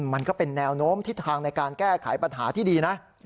มันก็เป็นแนวโน้มทิศทางในการแก้ไขปัญหาที่ดีนะ